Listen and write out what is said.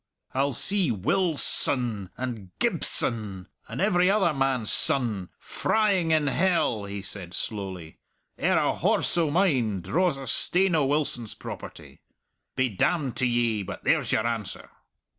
"I'll see Wil son ... and Gib son ... and every other man's son ... frying in hell," he said slowly, "ere a horse o' mine draws a stane o' Wilson's property. Be damned to ye, but there's your answer!"